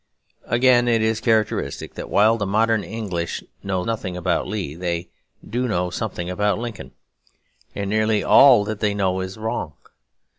Again, it is characteristic that while the modern English know nothing about Lee they do know something about Lincoln; and nearly all that they know is wrong.